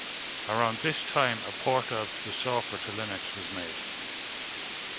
Around this time, a port of the software to Linux was made.